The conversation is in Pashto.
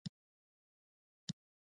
د غواګانو لپاره تازه څښاک اوبه اړین دي.